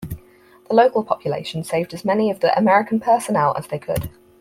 The local population saved as many of the American personnel as they could.